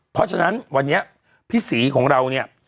เพราะฉะนั้นวันนี้พี่ศรีของเราเนี่ย